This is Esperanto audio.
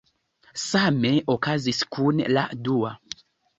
Same okazis kun la dua.